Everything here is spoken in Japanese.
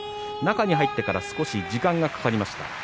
中に入ってから少し時間がかかりました。